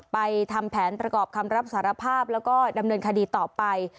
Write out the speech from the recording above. ทำแผนประกอบคำรับสารภาพแล้วก็ดำเนินคดีต่อไป